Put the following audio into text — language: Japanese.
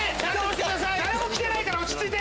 誰も来てないから落ち着いて。